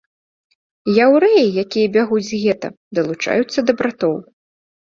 Яўрэі, якія бягуць з гета, далучаюцца да братоў.